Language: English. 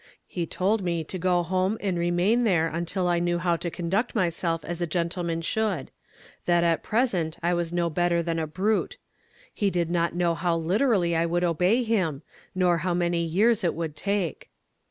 He told me to go home and remain there until I knew how to conduct myself as a gentleman should; that at present I was no better than a brute. He did not know how literally I would obey him, nor how many years it would take."